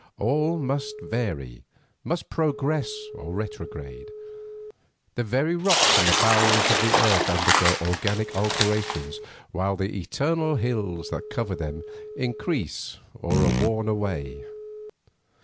All must vary, must progress or retrograde; the very rocks in the bowels of the earth undergo organic alterations, while the eternal hills that cover them increase or are worn away.